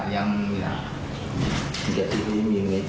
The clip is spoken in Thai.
อย่างนี้ว่าประสำคัญอย่างนี้นะ